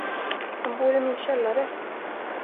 Han bor i min källare.